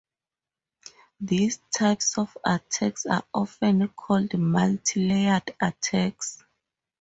These types of attacks are often called multi-layered attacks.